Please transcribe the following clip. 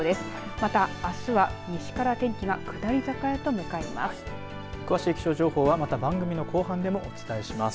また、あすは西から天気が下り坂へと向かいます。